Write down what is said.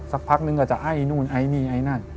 สักพักนึงก็จะไอ้นู่นไอ้นี่ไอ้นั่น